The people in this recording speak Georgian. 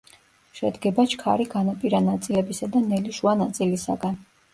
შედგება ჩქარი განაპირა ნაწილებისა და ნელი შუა ნაწილისაგან.